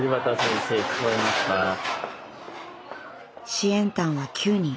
支援担は９人。